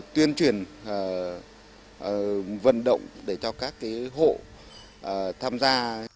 tuyên truyền vận động để cho các hộ tham gia